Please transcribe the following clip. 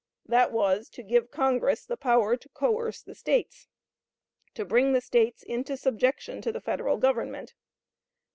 That was, to give Congress the power to coerce the States; to bring the States into subjection to the Federal Government.